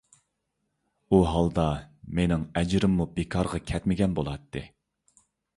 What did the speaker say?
ئۇ ھالدا مېنىڭ ئەجرىممۇ بىكارغا كەتمىگەن بولاتتى.